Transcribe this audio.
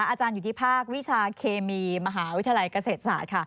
อาจารย์อยู่ที่ภาควิชาเคมีมหาวิทยาลัยเกษตรศาสตร์ค่ะ